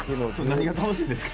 何が楽しいんですか。